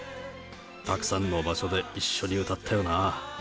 たくさんの場所で一緒に歌ったよな！